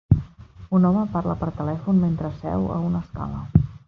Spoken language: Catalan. Un home parla per telèfon mentre asseu a una escala.